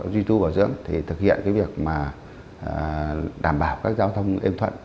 duy tu bảo dưỡng thì thực hiện cái việc mà đảm bảo các giao thông êm thuận